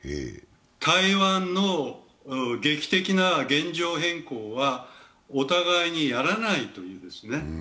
台湾の劇的な現状変更はお互いにやらないという。